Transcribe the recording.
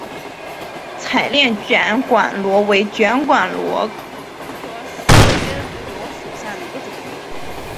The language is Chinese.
彩炼卷管螺为卷管螺科细切嘴螺属下的一个种。